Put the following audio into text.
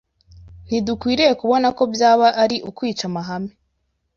ntidukwiriye kubona ko byaba ari ukwica amahame